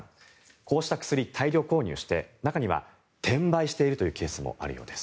こうした薬、大量購入して中には転売しているというケースもあるようです。